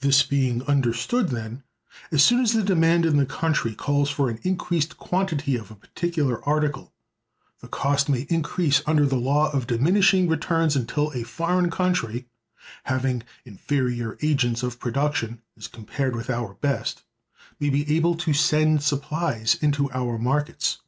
This being understood, then, as soon as the demand in the country calls for an increased quantity of a particular article, the cost may increase under the law of diminishing returns until a foreign country—having inferior agents of production as compared with our best—may be able to send supplies into our markets.